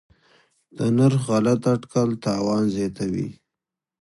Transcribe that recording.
د نرخ غلط اټکل تاوان زیاتوي.